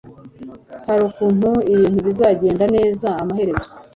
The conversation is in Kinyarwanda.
hari ukuntu ibintu bizagenda neza amaherezo.”